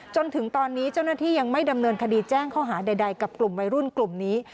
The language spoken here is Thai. จนถึงตอนนี้เจ้าหน้าที่ยังไม่ดำเนินคดีแจ้งข้อหาใดกับกลุ่มวัยรุ่นกลุ่มนี้